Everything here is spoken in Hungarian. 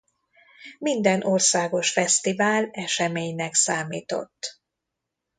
Minden országos fesztivál eseménynek számított.